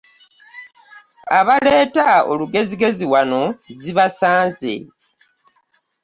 Abaleeta olugezigezi wano zibasanze.